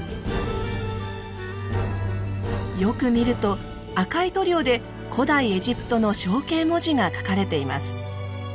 よく見ると赤い塗料で古代エジプトの象形文字が書かれています。